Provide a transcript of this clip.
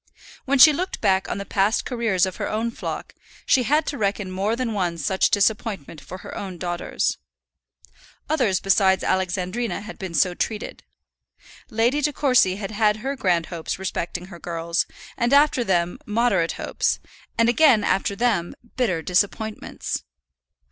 When she looked back on the past careers of her own flock, she had to reckon more than one such disappointment for her own daughters. Others besides Alexandrina had been so treated. Lady De Courcy had had her grand hopes respecting her girls, and after them moderate hopes, and again after them bitter disappointments.